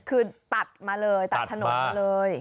คือตัดมาเลยตัดถนนมาเลย